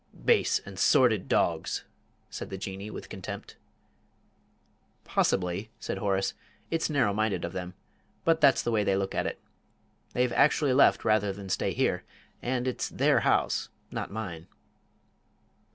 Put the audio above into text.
"Base and sordid dogs!" said the Jinnee, with contempt. "Possibly," said Horace, "it's narrow minded of them but that's the way they look at it. They've actually left rather than stay here. And it's their house not mine."